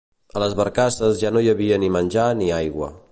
A les barcasses ja no hi havia ni menjar ni aigua